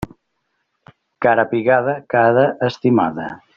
Cara pigada, cara estimada.